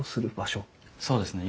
そうですね。